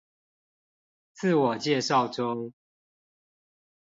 自我介紹中